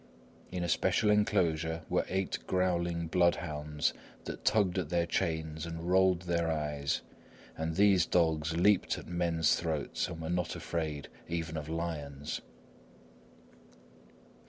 In a special enclosure were eight growling bloodhounds that tugged at their chains and rolled their eyes, and these dogs leaped at men's throats and were not afraid even of lions.